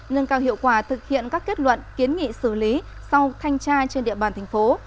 nâng cao hiệu quả thực hiện các kết luận kiến nghị xử lý sau thanh tra trên địa bàn thành phố